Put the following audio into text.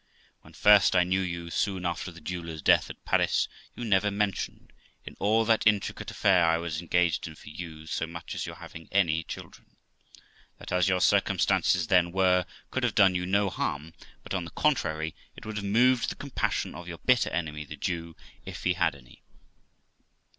When first I knew you, soon after the jeweller's death at Paris, you never mentioned, in all that intricate affair I was engaged in for you, so much as your having any children; that, as your circumstances then were, could have done you no harm, but, on the contrary, it would have moved the compassion of your bitter enemy the Jew, if he had any.